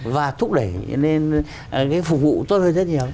và thúc đẩy nên cái phục vụ tốt hơn rất nhiều